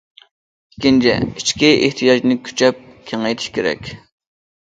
ئىككىنچى، ئىچكى ئېھتىياجنى كۈچەپ كېڭەيتىش كېرەك.